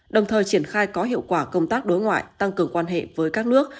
đồng thời triển khai có hiệu quả công tác đối ngoại tăng cường quan hệ với các nước